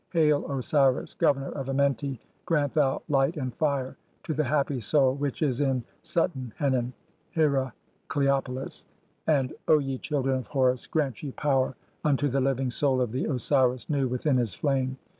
Hail, Osiris, (24) Governor "of Amenti, grant thou light and fire to the happy soul which "is in Suten henen (Heracleopolis) ; and [O ye children of Horus] "grant ye power unto the living soul of the (25) Osiris Nu "within his flame.